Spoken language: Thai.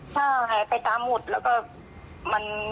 ถ้าไปตามหมุดแล้วก็